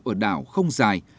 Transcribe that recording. ở đảo không dài